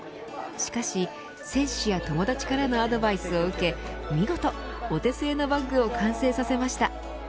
しかし選手や友達からのアドバイスを受け見事、お手製のバッグを完成させました。